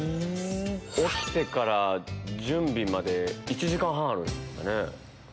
起きてから準備まで１時間半あるんですね。